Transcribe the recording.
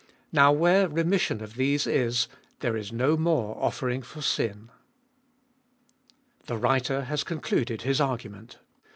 18. Now where remission of these is, there is no more offering for sin. THE writer has concluded his argument.